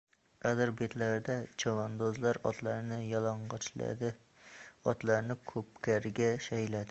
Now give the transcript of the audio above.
Adir betlarida chavandozlar otlarini yalang‘ochladi, otlarini ko‘pkariga shayladi.